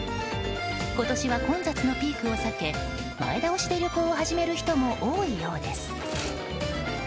今年は混雑のピークを避け前倒しで旅行を始める人も多いようです。